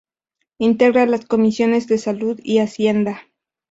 Integra las comisiones de Salud y Hacienda.